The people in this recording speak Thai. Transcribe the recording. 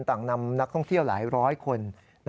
นำนักท่องเที่ยวหลายร้อยคน